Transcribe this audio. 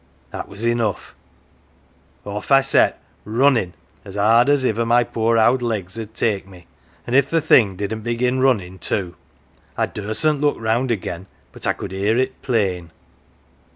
That was enough ! Off' I set, runnin' as 'ard as iver my poor owd legs 'ud take me, an' if th' thing didn't begin runnin' too ! I dursn't look round 185 ON THE OTHER SIDE again, but I could "ear it plain.